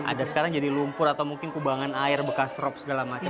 ada sekarang jadi lumpur atau mungkin kubangan air bekas rop segala macam